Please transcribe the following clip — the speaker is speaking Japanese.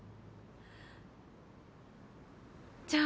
じゃあ。